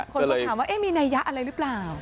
คนก็ถามว่ามีนัยยะอะไรหรือเปล่า